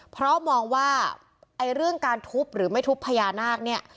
เพราะมองว่าไอ้เรื่องการทุบหรือไม่ทุบพญานาคเนี่ย